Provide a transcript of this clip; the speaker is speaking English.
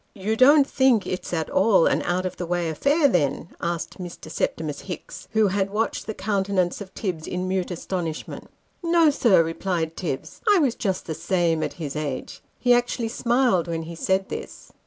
" You don't think it's at all an out of the way affair then ?" asked Mr. Septimus Hicks, who had watched the countenance of Tibbs in mute astonishment. " No, sir," replied Tibbs ;" I was just the same at his age." He actually smiled when he said this.